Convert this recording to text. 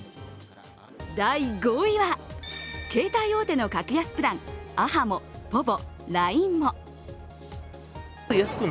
第５位は、携帯大手の格安プランａｈａｍｏ、ｐｏｖｏ、ＬＩＮＥＭＯ。